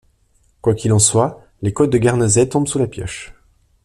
Quoi qu’il en soit, les côtes de Guernesey tombent sous la pioche.